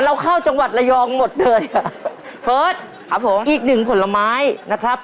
เข้าจังหวัดระยองหมดเลยอ่ะเฟิร์สครับผมอีกหนึ่งผลไม้นะครับ